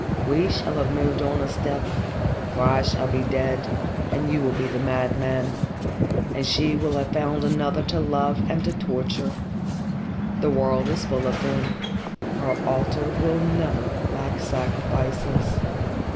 We shall have moved on a step, for I shall be dead and you will be the madman, and she will have found another to love and to torture. The world is full of them. Her altar will never lack sacrifices."